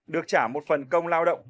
được trả một phần công lao động